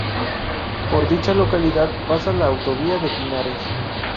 Por dicha localidad pasa la Autovía de Pinares.